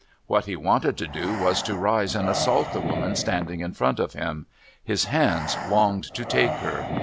What he wanted to do was to rise and assault the woman standing in front of him. His hands longed to take her!